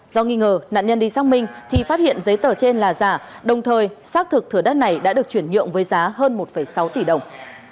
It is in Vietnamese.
do nghi ngờ nạn nhân đi xác minh thì phát hiện giấy tờ trên là giả đồng thời xác thực thừa đất này đã được chuyển nhượng với giá hơn một sáu tỷ đồng